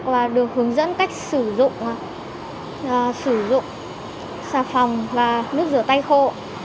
và được hướng dẫn cách sử dụng sạp phòng và nước rửa tay khô